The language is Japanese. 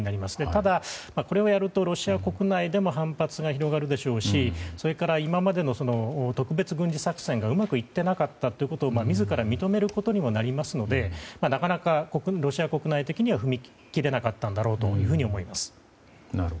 ただ、これをやるとロシア国内でも反発が広がるでしょうしそれから今までの特別軍事作戦がうまくいっていなかったということを自ら認めることにもなりますのでなかなかロシア国内的には踏み切れなかったんだろうと思います。